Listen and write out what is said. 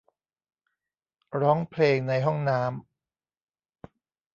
ร้องเพลงในห้องน้ำ